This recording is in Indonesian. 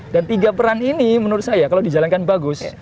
dan tiga peran ini menurut saya kalau dijalankan bagus